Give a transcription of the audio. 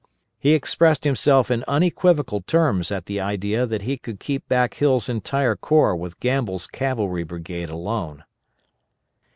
He expressed himself in unequivocal terms at the idea that he could keep back Hill's entire corps with Gamble's cavalry brigade alone.